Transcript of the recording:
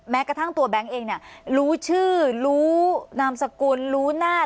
แม้กระทั่งตัวแบงค์เองเนี่ยรู้ชื่อรู้นามสกุลรู้หน้า